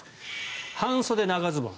半袖、長ズボン。